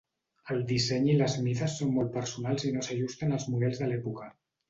El disseny i les mides són molt personals i no s'ajusten als models de l'època.